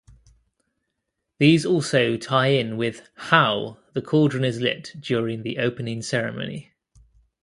These also tie in with "how" the cauldron is lit during the Opening Ceremony.